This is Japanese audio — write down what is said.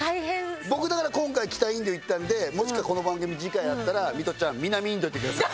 僕だから今回北インド行ったんでもしこの番組次回あったらミトちゃん南インド行ってください。